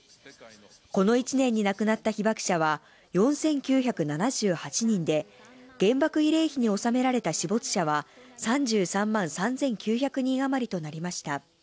この１年に亡くなった被爆者は４９７８人で、原爆慰霊碑に納められた死没者は、３３万３９００人あまりとなりました。